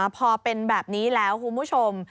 พอเป็นแบบนี้แล้วคุณผู้ชม